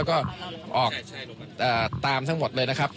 ก็ออกตามทั้งหมดเลยนะครับ